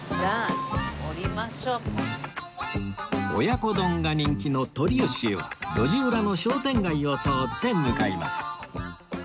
親子丼が人気のとりよしへは路地裏の商店街を通って向かいます